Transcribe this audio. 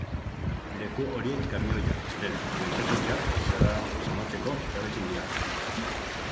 Leku horiek kamioiak, trenak edo itsasontziak zamatzeko erabiltzen dira.